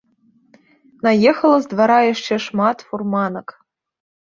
Наехала з двара яшчэ шмат фурманак.